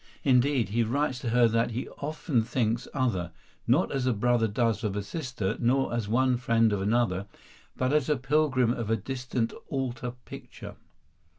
Indeed, he writes to her that he often thinks other "not as a brother does of a sister, nor as one friend of another, but as a pilgrim of a distant altar picture."